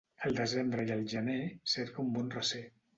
Al desembre i al gener cerca un bon recer.